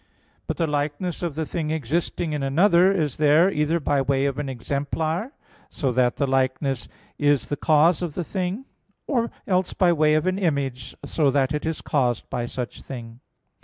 But the likeness of the thing existing in another is there either by way of an exemplar, so that the likeness is the cause of the thing; or else by way of an image, so that it is caused by such thing.